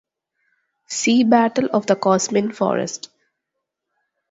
See Battle of the Cosmin Forest.